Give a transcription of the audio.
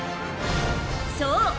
［そう。